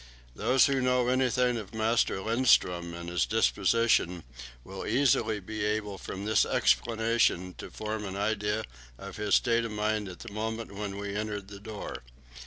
Those who know anything of Master Lindström and his disposition will easily be able from this explanation to form an idea of his state of mind at the moment when we entered the door.